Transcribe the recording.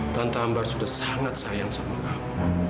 tante ambar sudah sangat sayang sama kamu